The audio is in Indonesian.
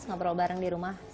ngobrol bareng di rumah